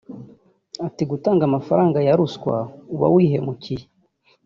Ati “Gutanga amafaranga ya ruswa uba wihemukiye